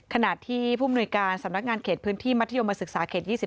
ขณะที่ผู้มนุยการสำนักงานเขตพื้นที่มัธยมศึกษาเขต๒๔